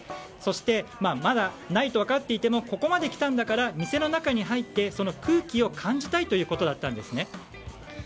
そして、ないと分かっていてもここまで来たんだから店の中に入ってその空気を感じたいということだったんですね。